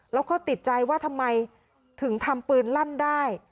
แล้วก็ติดใจว่าทำไมถึงทำปืนลั่นได้